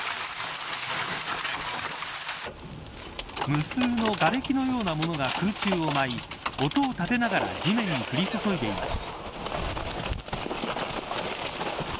無数のがれきのようなものが空中を舞い音を立てながら地面に降り注いでいます。